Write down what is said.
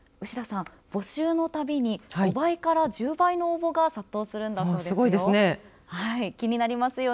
募集のたびに５倍から１０倍の応募が殺到するんだそうですよ。